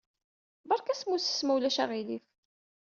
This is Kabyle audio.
Beṛka asmusses ma ulac aɣilif.